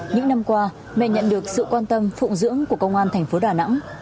những năm qua mẹ nhận được sự quan tâm phụng dưỡng của công an thành phố đà nẵng